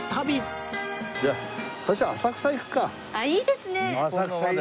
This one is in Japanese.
いいですね。